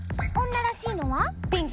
女らしいのは？